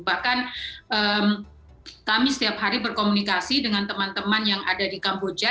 bahkan kami setiap hari berkomunikasi dengan teman teman yang ada di kamboja